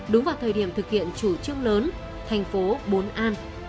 đúng vào thời điểm thực hiện chủ trương lớn thành phố bốn an